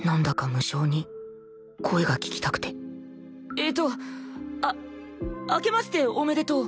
えーとああけましておめでとう。